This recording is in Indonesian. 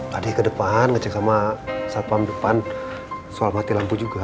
tadi ke depan ngecek sama satpam depan soal mati lampu juga